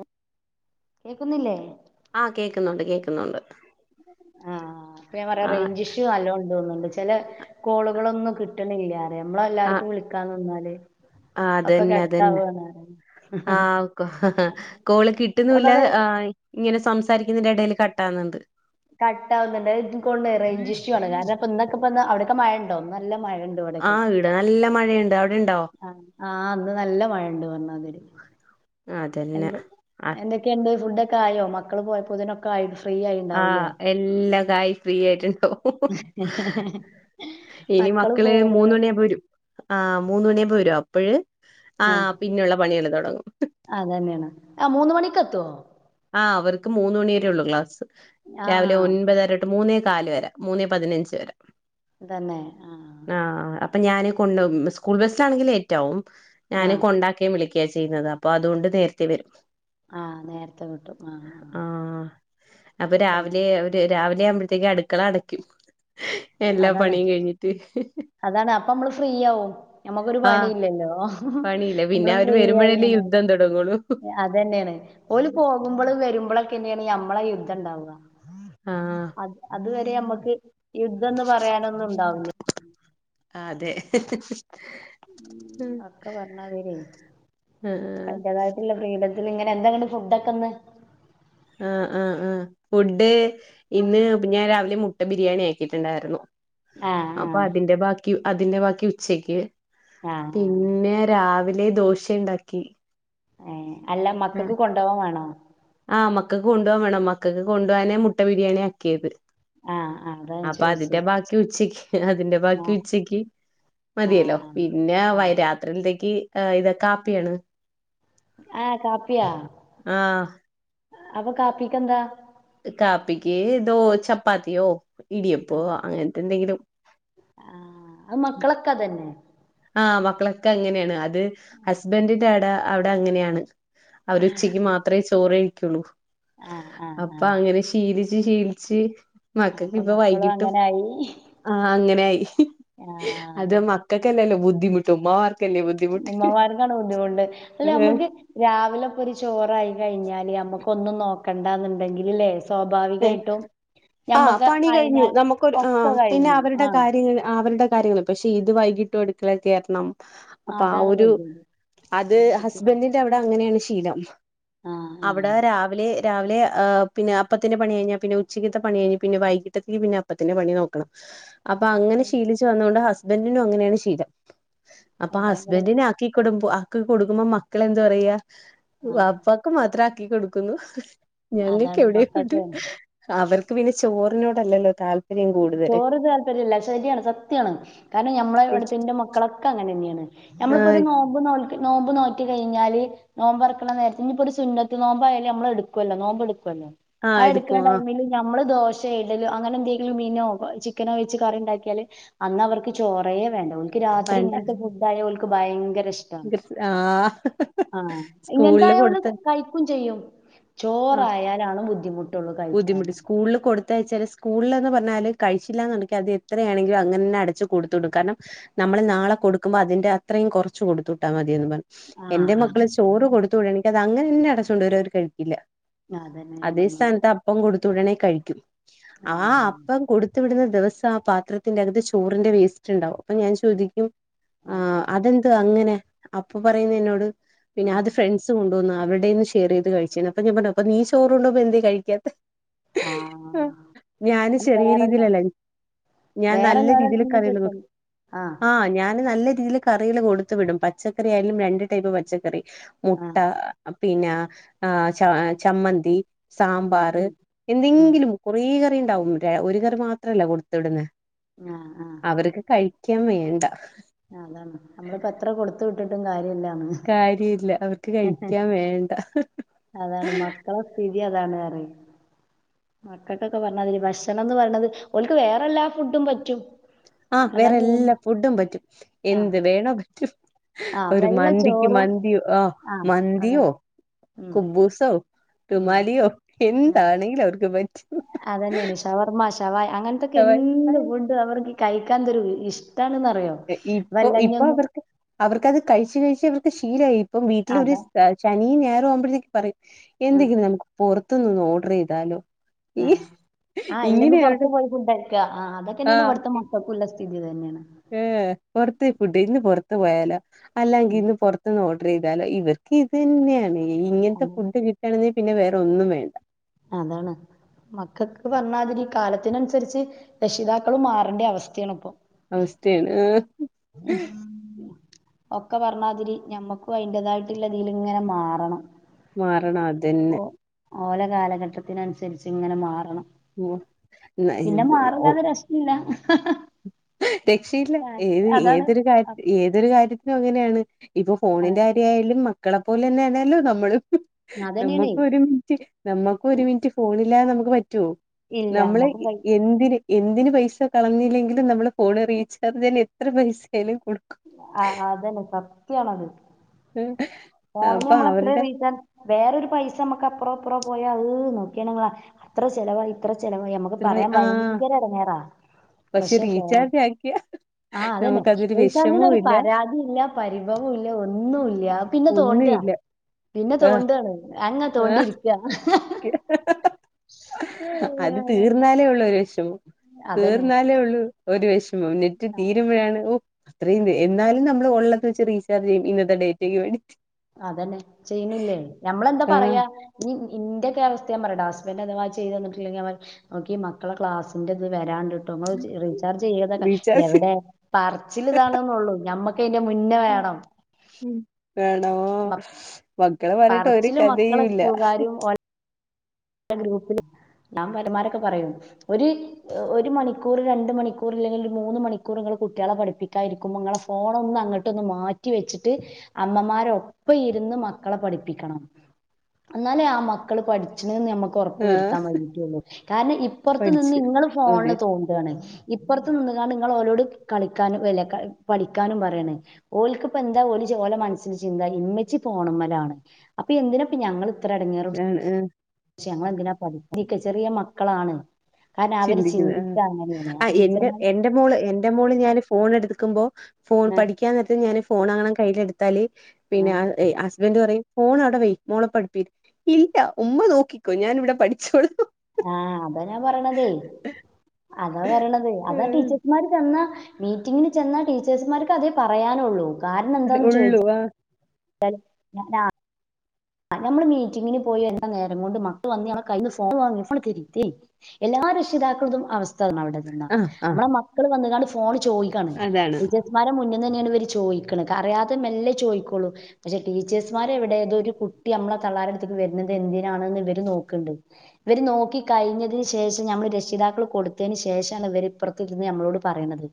ആഹ് കേക്കുന്നില്ലേ ആ കേക്കുന്നുണ്ട് കേക്കുന്നുണ്ട് ആഹ് അപ്പ ഞാൻ പറയാ ആഹ് റേഞ്ച് ഇഷ്യു നല്ലോ തോന്ന്ണ്ട് ചെല കോളുകളൊന്നും കിട്ടണില്ലാതെ നമ്മള് എല്ലാർക്കും വിളിക്കാൻ നിന്നാല് ആ ഒക്കെ അതന്നെ അതന്നെ കട്ടാവാണ് ആ കോ കോളു കിട്ടുന്നുല്ല ഒന്നാമത് ആ ഇങ്ങനെ സംസാ സംസാരിക്കുന്നതിന്റെ എടേല് കട്ടാകുന്നുണ്ട് കട്ടാവുന്നുണ്ട് അഹ് ഇത്കൊണ്ടെ റേഞ്ച് ഇഷ്യു ആണ് കാരണം ഇപ്പ ഇന്നൊക്കപ്പന്ന് അവിടൊക്കെ മഴണ്ടോ ഇന്ന് നല്ല മഴണ്ട് ആ ഈടെ നല്ല മഴെയ്ണ്ട് അവി ആ ആഹ് ഇന്ന് നല്ല മഴണ്ട് പറഞ്ഞാതിരി അതന്നെ എന്ത് ആഹ് എന്തൊക്കെണ്ട് ഫുഡൊക്കെ ആയോ മക്കള് പോയപ്പോതിനൊക്കെ ആയിത് ആഹ് എല്ലാ ഒക്കായ് ഫ്രീ ആയിട്ടുണ്ടോ ഇനി മക്കള് മക്കളെ മൂന്ന് പോവലെ മണിയാവുമ്പ വരും ആ മൂന്ന് മണിയാവുമ്പ വരും അ അപ്പഴ് ആ ആഹ് പിന്നെയുള്ള പണികള് തൊടങ്ങും ആ മൂന്ന് മണിക്കത്തോ ആ അവര്ക്ക് മൂന്ന് മണി വരെയുള്ളൂ ക്ലാസ് രാവിലെ ആഹ് ഒൻപതരൊട്ട് മൂന്നേ ക്കാല് വരെ മൂന്നേ പതിനഞ്ച് വരെ തന്നെ ആഹ് അപ്പൊ ഞാന് കൊണ്ടോകും സ്കൂൾ ബസ്സാണെങ്കില് ലേറ്റാവും ഞാന് ആഹ് കൊണ്ടാക്കേയും വിളി ക്കാ ചെയ്യുന്നത് അപ്പൊ അതുകൊണ്ട് നേരത്തെ വരും ആഹ് നേരത്തെ കിട്ടും ആഹ് ആ അപ്പൊ ആഹ് അത രാവിലെ ഒരു രാവിലെ ആവുമ്പ ത്തേക്ക് അടുക്കള അടക്കും എല്ലാ അതാണ് പണിയും കഴിഞ്ഞിട്ട് അതാണ് അപ്പൊ അമ്മള് ഫ്രീയാവും നമ്മക്കൊരു ആഹ് പണിയില്ലല്ലോ പണിയില്ല പിന്നെ നമ്മള് അവര് ഫ്രീയായി വരുമ്പോഴല്ലേ ഇങ്ങനെ യുദ്ധം തുടങ്ങുള്ളൂ അതന്നേണ് ഓല് പോകുമ്പള് വരുമ്പളൊക്കന്നേണ് നമ്മളെ യുദ്ധണ്ടാവാ ആഹ് അത് അതുവരെ അമ്മ ക്ക്‌ യുദ്ധന്ന് പറയാനൊന്നുണ്ടാവൂല്ല ഹ്‌ഹ്ഹ് ഉം ഒക്ക പറഞ്ഞാതിരിയെ ആഹ് ഒക്കെ അതിൻ്റേതാതയിട്ടുള്ള ഫ്രീഡം പിന്നെ ഇങ്ങനെ എന്താങ്ങനെ ഫുഡൊക്കന്ന് ആഹ് ആഹ് ആഹ് ഫുഡ് ഇന്ന്പ്പ ഞാൻ രാവിലെ മുട്ട ബിരിയാണി ആക്കിയിട്ടുണ്ടായിരുന്നു ആഹ് അപ്പൊ ആഹ് അതിന്റെ ബാക്കി അതിന്റെ ബാക്കി ഉച്ചക്ക് ആഹ് ആഹ് പിന്നെ രാവിലെ ദോശയുണ്ടാക്കി ഏ അല്ല മക്കൾക്ക് കൊണ്ടോവാനാണോ ആഹ് മക്കൾക്ക് കൊണ്ടോവാ വേണം മക്കൾക്ക് കൊണ്ടോവാനെ മുട്ട ബിരിയാണി ആക്കിയത് ആ അപ്പൊ അതിന്റെ ബാക്കി ഉച്ചയ്ക്ക് അതിന്റെ ബാക്കി ആഹ് ഉച്ചക്ക് ആഹ് മതിയല്ലോ ആഹ് പിന്നെ വൈ ആഹ് രാത്രിയിലത്തേക്ക് ഏ ഇതൊ കാപ്പിയാണ് ആഹ് കാപ്പിയാ ആഹ് അപ്പൊ കാപ്പിക്കെന്താ കാപ്പിക്ക് ദോ ചപ്പാത്തിയോ ഇടിയപ്പോ അങ്ങനത്തെ എന്തെങ്കിലും ആ അത് മക്കളൊക്കതന്നെ ആ മക്കളൊക്കെ അങ്ങനെയാണ് അത് ഹസ്ബൻഡിന്റെ അട അവിടെ അങ്ങനെയാണ് അവരു ഉച്ചക്ക് മാത്രമേ ചോറ് കഴിക്കുള്ളൂ ആഹ് ആഹ് അപ്പൊ ആഹ് അങ്ങനെ ശീലി ലിച്ച് ശീലിച്ച് മക്കക്ക് അപ്പൊ ഇപ്പൊ മക്കളും വൈകിട്ടും അങ്ങനായി ആ അങ്ങനെയായി ആഹ് അത് മക്ക ബുദ്ധിമുട്ടും മാ ഉമ്മാമാർക്കാണ് ബുദ്ധിമുണ്ട് അല്ല ഏഹ് നമ്മുക്ക് രാവിലെപ്പൊ ഒരു ചോറായി കഴിഞ്ഞാല് നമ്മക്ക് ഒന്നും നോക്കണ്ടന്നുണ്ടെങ്കിൽല്ലേ ഏ സ്വാഭാവികയിട്ടും ആ പണി കഴിഞ്ഞു നമുക്കൊരു ആ പിന്നെ കഴിഞ്ഞു അവരുടെ ആഹ് കാര്യങ്ങ അവരുടെ കാര്യങ്ങൾ പക്ഷെ ഇത് വൈകിട്ട് അടുക്കളേ കേറണം അപ്പൊ ആ അതാണ് ഒരു ഗതികേട് അത് ആഹ് ബുദ്ധിമു ഹസ്ബൻറിന്റെ അവിടെ അങ്ങനെയാണ് ശീലം ആഹ് ആഹ് അവിടെ രാവിലെ രാവിലെ ഏ പിന്നെ അപ്പത്തിന്റെ പണി കഴിഞ്ഞാൽ പിന്നെ ഉച്ചക്കത്തെ പണി കഴിഞ്ഞിട്ട് പിന്നെ വൈകിട്ടേക്ക് പിന്നെപ്പത്തിന്റെ പണി നോക്കണം അപ്പൊ അങ്ങനെ ശീലിച്ചു വന്നൊണ്ട് ഹസ്ബൻറിനും അങ്ങനെയാണ് ശീലം അപ്പൊ അത് ആ ഭയങ്കര ഹസ്ബൻഡിനെ ആക്കി ആക്കി കൊടുക്കുമ്പോ മക്കളെന്ത് പറയാ ആഹ് വാപ്പക്ക്മാത്രം ആക്കി കൊടുക്കുന്നു ഞങ്ങൾക്ക് അതാണ് മക്കൾ എവിടെയുണ്ട് അവർക്ക് പിന്നെ ചോറിനോടല്ലല്ലോ താല്പര്യം കൂടുതല് ചോറ് താല്പര്യം ഇല്ല ശരിയാണ് സത്യാണ് കാരണം ഞമ്മളെ ഇവിടുത്തെ എന്റെ മക്കളൊക്കെ അങ്ങനെ ന്നെയാണ് നമ്മളിപ്പോ ഒരു ആഹ് നോബ് നോ നോമ്പ് നോക്കി കഴിഞ്ഞാല് നോമ്പ്റക്കുള്ള നേരത്തി ഇനിപ്പോ ഒരു സുന്നത്ത് നോമ്പായാലും നമ്മള എടുക്കുല്ലോ നോമ്പ് എടുക്ക ആ ആഹ് എടുക്കണ എടുക്കും ആഹ് ടൈമില് നമ്മള് ദോശ ഇഡ്ഡലിഅങ്ങനെ എന്ത മീനോ ചിക്കനോ വെച്ച് കറി ഉണ്ടാക്കിയാല് അന്ന് അവർക്ക് ചോറേ വേണ്ട രാത്രി വേണ്ട ഇങ്ങനത്തെ ഫുഡ് ആയ ഓല്ക് ഭയങ്കര ഇഷ്ട്ട ആഹ് ആ ഇങ്ങനത്തെ സ്കൂളില് ആയോണ്ട് കഴിക്കും ചെയ്യും ആ ചോറായാലാണ് ബുദ്ധിമുട്ടുള്ളൂ ബുദ്ധിമുട്ട് കഴിക്കാന്. സ്കൂളില് കൊടുത്തയച്ചാല് സ്കൂളിൽ [unintelligible] ല് കഴിച്ചില്ലന്ന് അത് എത്രയാണെങ്കിലും അങ്ങനെ തന്നെ അടു കൊടുത്തു വിടും കാരണം നമ്മള് നാളെ കൊടുക്കോ അ ന്റെ അത്രയും കുറച്ച് കൊടുത്തട്ടാ മതിയന്ന് പറഞ്ഞു ആഹ് എന്റെ ആഹ് മക്കള് ചോറ് കൊടുത്തുട എനിക്ക അത് അങ്ങനെന്നെ അടച്ചൊണ്ട് വരും അവർ കഴിക്കില്ല അതന്നെ ഞാൻ അതേ പറഞ്ഞത് സ്ഥാനത്ത് അപ്പം കൊടുത്തു വിടണേ കഴിക്കും ആ ആഹ് അപ്പം കൊടുത്തു വിടുന്ന ദിവസം ആ പാത്രത്തിന്റെകത്ത് ചോറിന്റെ വേസ്റ്റ് ഇണ്ടാവും അപ്പൊ ഞാൻ ചോദിക്കും ആ ആഹ് അതെന്ത് അങ്ങനെ അപ്പൊ പറയുന്ന എന്നോട് പിന്നെ ഉം ആദ്യ ഫ്രണ്ട്സും [unintelligible] ന്ന് അവരുടെന്ന് ഷെയർ ചെയ്ത് കഴിച്ചാണ് അപ്പ ഞാ പറഞ്ഞ നീ ചോറ് കൊണ്ടോ എന്തെ കഴിക്കാത്ത ആഹ് ഞാന് അത് ചെറിയ വേറെല്ല രീതിയിലല്ല ഞാൻ നല്ല രീതിയിൽ വേറെല്ലോരട്ത്ത്ന്ന് കറി കിട്ടും ആഹ് ആ ഞാന് നല്ല രീതിയിൽ കറി എന്തെങ്കിലും കൊടുത്ത് വിടും പച്ചക്കറി ആയാലും രണ്ട് ടൈപ്പ് പച്ചക്കറി മുട്ട ആഹ് പിന്നെ ആ ച ചമ്മന്തി ഉം സാമ്പാർ ഉം ഉം എന്തെങ്കിലും കുറ ണ്ടാവും ഒരു കറി മാത്രമല്ല കൊടുത്ത് വിടുന്നത് ആ ആ കഴിക്കാൻ വേണ്ട അതാണ് നമ്മളിപ്പോത്ര കൊടുത്ത് വിട്ടിട്ടും കാര്യല്ല. കാര്യല്ല അവർക്ക് കഴിക്കാൻ വേണ്ട ഹി ഹി അതാണ് മക്കളെ സ്ഥിതിയതാണ് പറയെ മക്കൾക്കൊക്കെ പറഞാല് ഭക്ഷണംന്ന് പറേണത് ഓൽക്ക് വേറെല്ലാ ഫുഡും പറ്റും ആ വേറെ അതാണ് മെയിൻ എല്ലാ ഫുഡും പറ്റും ആഹ് എന്ത് വേണോ പറ്റും ആഹ് ഒരു വെള്ള മന്തിക്ക് ചോറും മന്തി ഒ ആഹ് മന്തിയോ അതാണ് ഉം കുബ്ബൂസ്സോ ഉം റുമാലിയോ എന്താണെങ്കിലും അവർക്ക് പറ്റ് അതന്നേണ് ഷവർമ്മ, ഷവായ് അങ്ങനത്തൊക്കെ അവ- എന്ത് ഫുഡും അവർ കഴിക്കാന്തോരു ഇഷ്ട ഇപ്പൊ ഇപ്പൊ അവർക്ക് അവർക്ക്ത് കഴിച്ച് കഴിച്ച് വർ ശീലായി പ്പം. വീട്ടിൽ ഒരു അതാ ശനിയും ഞായറാവുമ്പോഴത്തേക്ക് പറയും ആ എന്തെങ്കിലും നമുക്ക് പുറത്ത് ന്ന് ഓഡർ യ്താലോ? ആഹ് ആ് ഇല്ലെങ്കിൽ പൊറത്ത് അവരുടെ പോയി ഫുണ്ടഴിക്ക. ആ് അതൊക്കെന്നേണ് ഇവിടുത്തെ മക്കക്ക ല്ലെ. ഇത് തന്നേണ് ഏ പൊറത്തെ ഫുഡ്. ഇന്ന് പൊറത്ത് പോയാലോ? അല്ലാങ്കി ഉം ഇന്ന് പുറത്ത്ന്ന് ഓ ഡർ താലും ഇവർക്ക് ഇത് തന്നെയാണ്, ഇങ്ങനത്തെ അതാണ് ഫുഡ് കിട്ടാണെ പിന്നെ വേറെ ഒന്നും വേണ്ട. അതാണ് മക്കക്ക് പറഞ്ഞാതിരി. കാലത്തിനനുസരിച്ച് രക്ഷിതാക്കളും മാറണ്ടെ അവസ്ഥയാണ് പ്പൊ. അവസ്ഥയാണ്. ആഹ് ഹ്മ് ഒക്കെ പറഞ്ഞാതിരി ഞമ്മക്കും അതിന്റതായിട്ടുള്ളതീല് ങ്ങനെ മാറണം. മാറണം ഓ അതെന്നെ. ഓല കാലഘട്ടത്തിനനുസരിച്ച് ങ്ങനെ മാറണം. ഉം ന പിന്നെ ഇത് ഓ മാറല്ലാതെ രക്ഷില്ലാ. ഹ ഹാ രക്ഷയില്ല ഏത് ഏതൊരു കാര്യ ഏതൊരു കാര്യത്തിനും അങ്ങനെയാണ് ഇപ്പൊ അതാണ് ഫോണിന്റെ കാര്യായാലും മക്കളെപ്പോലെന്നെണല്ലോ നമ്മളും? ഹ്. അതന്നെയാണേ നമ്മക്ക് ഒരു മിനിറ്റ് നമ്മുക്കരു മിനിറ്റ് ഫോണില്ലാതെ നമുക്ക് പറ്റൊ? ഇല്ല നമ്മളെ നമ്മക്കും കഴി എന്തിന് എന്തിന് പൈസ കളഞ്ഞില്ലെങ്കിലും, നമ്മള് ഫോണ് റീചാർജിന് എത്ര പൈസായാലും ആഹ അ അതന്നെ സത്യയാണത്. ഫോണിന് അപ്പൊ മ്മളത്ര അവരുടെ റീചാർജ്. വേറൊരു പൈസ നമ്മുക്ക്പ്പറപ്പ് റോ പോയാ അഹ് നോക്കിയണങ്ങളാ അത്ര ചെലവ ഇത്രചെലവ ഞമ്മക്ക് ഉത്തരവായി പറയാൻ ആ ഭയങ്കര എടങ്ങേറാ. പക്ഷെ റീ ചാർജാക്കിയ. ഹ ആഹ അതന്നെ റീചാജിന് ഒരു പരാതീ ല്ല പരിഭവോല്ല ഒന്നൂല്ല. പിന്നെ തോണ്ട, ഒന്നുമില്ല പിന്നെ ആ തോണ്ടാണ് അങ് തോണ്ടിയിരിക്കാ. ഹ ഹ അത് തീർന്നാലേഒള്ളുരു വിഷമം അതന്നെ തീർന്നാലേ ഉള്ളൂ ഒരു വെഷമം നെറ്റ് തീരുമ്പഴാണ്. ഓ അത്രയും തെ എന്നാലും നമ്മള് ഒള്ളത് വച്ച് റീചാർജ് ചെയ്യും ഇന്നത്തെ ഡേറ്റയ്ക്ക് വേണ്ടി. അതന്നെ ചെയ്യണില്ലേ? ഞമ്മളെന്താ ആ പറയാ ഞ്ഞി ഇന്റെയക്കെ അവസ്ഥയാംപറയട്ട. ഹ സ്ബൻറ് അതവാ ചെയ്ത് തന്നിട്ടില്ലെങ്കി ഞാ പറയും, നോക്കി മക്കളെ ക്ലാസിന്റെ ത് വരാണ്ട് ട്ടോ ങ്ങൾ റീചാർജ് ചെയ്തട്ട റീചാർജ് എവിടെ പറച്ചിൽ താണ്ന്നൊള്ളു ഞമ്മക്ക് ക്കയ്ന്റെ മുന്നേ വേണം. വേണോ മ- മക്കളെ പറഞ്ഞിട്ട് ഒരു പറച്ചില് കഥയുംല്ല. ഗ്രൂപ്പില്. നാൻ പരമാരൊക്കെ പറയും ഒരു ഒരു മണിക്കൂർ, രണ്ട് മണിക്കറില്ലെങ്കിൽ, ഒരു മൂന്ന് മണിക്കൂറ് ങ്ങൾ കുട്ടിയാളെ പഠിപ്പിക്കായിരിക്കുമ്പോ, ഇങ്ങളെ ഫോണൊന്നങ്ങട്ട് ഒന്ന് മാറ്റി വെച്ചിട്ട് അമ്മമാരൊപ്പം ന്ന് മക്കളെ പഠിപ്പിക്കണം. എന്നാലേ ആ മക്കള് പഠ ണ് നമ്മക്ക് ഒറപ്പ് ആ വരുത്താകഴിഞ്ഞട്ടുള്ളൂ. കാരണം ഇപ്പുറത്ത് നിന്ന് പഠിച്ചു ഇങ്ങള് ഫോണില് ഓക്കെ തോണ്ടാണ്. ഇപ്പറത്ത് നിന്ന്കാണ്ട്‌ ങ്ങൾ ഓരോട് കളിക്കാനും അല്ല പടിക്കാനും പറയാണ് ഓലക്ക്പ്പോ എന്താ ഓല ലെ മനസ്സിൽ ചിന്ത ഇമ്മച്ച് പോകണമലാണ് അപ്പൊ എന്തിന ഞങ്ങള് ആണ് ആഏ പക്ഷ ഞങ്ങൾ എന്തിനനാ പഠിക്ക നിക്ക ചെറിയ മക്കളാണ് കാരണം അവര് ചിന്തിക്കുന്നത് ചിന്തിക്ക അങ്ങനെയാണ്. ആ അപ്പൊ എറെ ടീച്ചർമാര് എറെ മോള് എറെ മോള് ഞാന് ഫോൺ എടുക്കുമ്പോ ഫോൺ ആഹ് പഠിക്കാൻ നേരത്തി ഞാന് ഫോൺങ്ങണം കയ്യിൽ എടുത്താല് പിന്നെ ആഹ് ഹസ്ബൻഡറ് പറയും ഫോൺ അടവേ മോളപ്പഠിപ്പീത് ഇല്ല ഉമ്മ നോക്കിക്കോ ഞാൻ ഇവിടെ പഠിച്ചോടുു ആഹ അതാ ഞാ പറയണത് അതാ പറയണത് അതാ ടീച്ചേഴസ്മാര് തന്ന മീറ്റിങ്ങിന് ചെന്ന ടീച്ചേഴ്സുമാർക്ക് അതേ പറയാനുള്ളൂ കാരണം എന്താന്ന് ഉള്ളൂ ചോദിച്ച ആ അ ഞ ആ ആ നമ്മൾ മീറ്റിങ്ങിന് പോയി എല്ലാം നേരം കൊണ്ട് മക്കൾ വന്നമ്മ കയ്യിന്ന് ഫോൺ വാങ്ങി ഫോ തിേ എല്ല രക്ഷിതാക്കളതും അവസ്ഥ അവ്ടെ നിന്നാ ആ ആ മ്മളെ മക്കള് വന്ന്കാണ്ട് ഫോണ് ചോയ്ക്കാണ് അതാണ് ടീച്ചേഴ്സ് മാരെ മുന്ന് തന്നെയാണ് ഇവര് ചോയ്ക്ക്ണ് അറിയാതെ മെല്ലേ ചോയ്ക്കോളൂ പക്ഷെ ടീച്ചേഴ്സ്മാരെ എവിടേ തൊരു കു ട്ടി മ്മളെ തള്ളാരെട്ത്ത്ക്ക് വരുന്നത് എന്തിനാണ്ന്ന് ഇവര് നോക്ക്ണ്ട് ഇവര് നോക്കി കയ്ഞ്ഞതിന് ശേഷം നമ്മൾ രക്ഷിതാക്കള് കൊട്ത്തേന് ശേഷാണ് ഇവരിപ്പുറത്തിരുന്ന് ഞമ്മളോട് പറീണത് ഉ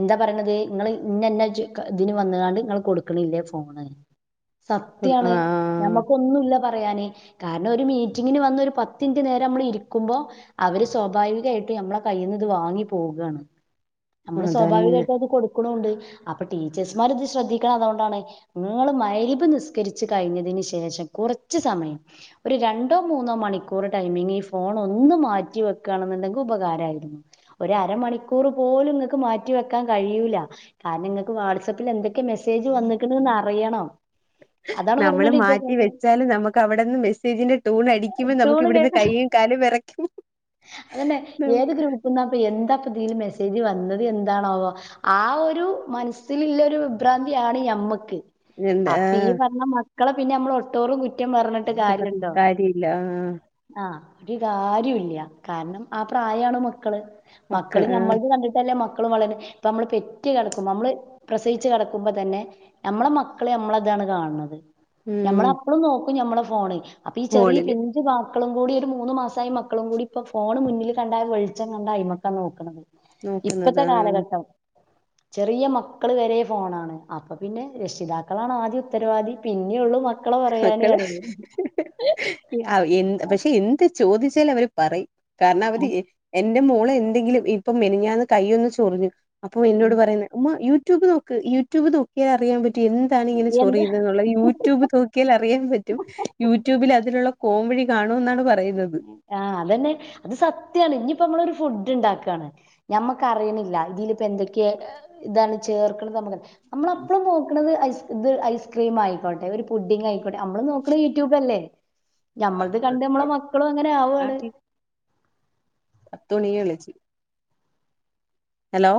എന്താ പറീണത് ഇങ്ങള് ഇന്നെന്നെ ഇതിന് വന്ന്കാണ്ട് ങ്ങള് കൊടുക്ക്ണില്ലേ ഫോണ് ആ സത്യാണ് ഞമ്മക്കൊന്നുല്ല പറയാന് കാരണം ഒര മീറ്റിങ്ങിന് വന്ന് ഒര് പത്തിൻറ്റ് നേരമ്മള് ഇരിക്കുമ്പോ അവര് സ്വാഭാവികായി യിട്ട് ഞമ്മളെ കയ്യിന്ന്ത് വാങ്ങി പോകാണ് ഞമ്മള് അതന്നെ സ്വാഭാവികായ്ട്ടത് കൊ ക്ക്ന്നുണ്ട് അപ്പൊ ടീച്ചേഴ്സ്മാര്ത് ശ്രദ്ധിക്കണതാേണ്ടാണ് ങ്ങള് മഹ്രിബ് നിസ്കരിച്ച് കയ്ഞ്ഞതിന് ശേ ശേഷം കൊറച്ച് സമയം ഒര് രണ്ടോ മൂന്നോ മണിക്കൂർ ടൈമിന് ഈ ഫോണ്ടെന്ന് മാറ്റിവെ ക്കാണ്ന്ന്ണ്ടെങ്ക് ഉപകാരായിര്ന്നു ഒരർമണിക്കൂർ പോലും ഇങ്ങക്ക് മാറ്റി വെക്കാൻ കഴ്യൂല കാരണം ഇങ്ങക്ക് വാട്സപ്പ്ല് എന്തൊക്കെ മെസ്സേജ് വന്ന്ക്ക്ണ്ന്ന് അറിയണം അതാണ് പർഞ്ഞാേല് ഈ വെച്ചാലും നമുക്ക് അവിടെന്ന് മെസ്സേജിന്റെ ടൂൺ അടിക്കുമോ നമുക്ക് ട്യൂണ് ഇവിടുന്ന് കേക്ക കയ്യും കാലും വിറക്കും അതന്നെ ഏത് ഗ്രൂപ്പ്ന്നാപ്പ എ ന്താ പ്പതീല് മെസ്സേജ് വന്നത് എന്താണാവോ ആ ഒരു മനസ്സില്ല്ലൊരു വിഭ്രാന്തിയാണ് ഞമ്മക്ക് എന്താ അപ്പൊ ഈ പർഞ്ഞ മക്കളെ പിന്നെ നമ്മളൊട്ടോറും കു റ്റം പർഞ്ഞിട്ട് പറഞ്ഞിട്ട് കാര്യണ്ടോ കാര്യല്ല ആ ആ ഒരു കാര്യുല്ല കാരണം ആ പ്രായാണ് മക്കള് മക്കള് ഞമ്മൾത് കണ്ടിട്ടല്ലേ മ ക്കള് വള പ്പമ്മള് പെറ്റ്കെടക്കുമ്പോ ഞമ്മള് പ്രസവിച്ച് കെടക്കുമ്പോ തന്നെ ഞമ്മളെ മക്കള് നമ്മളെതാ ത് കാൺണത് ഉം ഞമ്മളപ്പളും നോക്കും ഞമ്മളെ ഫോണ് അപ്പൊ ഈ ചെറിയ ഫോണില് പിഞ്ച് ബാ മക്കളും കൂടി ഒര് മൂന്ന് മാസായ മക്കളും കൂടി ഇപ്പൊ ഫോണ് മുന്നില് കണ്ട വെൾച്ചം കണ്ടായ്മക്ക നോക്ക്ണത് ഇപ്പത്തെ നോക്കുന്നത് ആ കാലഘട്ടം ചെറിയ മക്കള് വരെ ഫോണാണ് അപ്പൊ പിന്നെ രക്ഷിതാക്കളാണ് ആദ്യ ഉത്തരവാദി പി മക്കള് എ പക്ഷെ എന്ത് ചോദിച്ചാല അവര് പറയും കാരണം അവര് എന്റെ മോളെ എന്തെങ്കിലും ഇപ്പൊ മെനിഞ്ഞാന്ന് കയ്യൊന്ന് ചൊറിഞ്ഞു അപ്പൊ എന്നോട് പറയുന്നത് ഉമ്മ യൂട്യൂബ് നോക്ക് യൂട്യൂബ് നോക്കിയാ അറിയാൻ പ റ്റും എന്താണ് ഇങ്ങനെ എന്ത് ചൊറിയുന്നെന്ന്ള്ളത് ഈ യൂട്യൂബ് നോ ൻ പറ്റും യൂട്യൂബിൽ അതിനുള്ള പോംവഴി കാ ആ അതന്നെ അത് സത്യാണ് ഇഞ്ഞിപ്പോ നമ്മളൊരു ഫു ഡ്ണ്ടാക്കാണ് ഞമ്മക്കറീണ്ല്ല ഇതിലിപ്പോ എന്തൊക്കെയ ഇതാണ് ചേർക്ക്ണ് നമക്ക് നമ്മളപ്പളും നോക്ക്ണത് ഐസ് ഇത് ഐസ്ക്രീം ആയിക്കോട്ടെ ഒരു പുഡിങ് ആയിക്കോട്ടെ നമ്മള് നോക്ക്ണെ യൂട്യൂബ് ലല്ലേ ഞമ്മൾത് കണ്ട് നമ്മളെ മക്കളും അങ്ങനെ ആവാണ് പത്ത് മണിയളിച്ച് ഹലോ